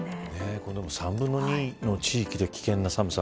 これでも３分の２の地域で危険な寒さ。